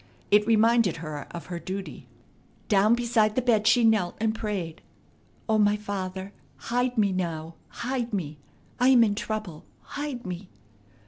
It reminded her of her duty. Down beside the bed she knelt, and prayed: "O my Father, hide me now; hide me! I am in trouble; hide me!"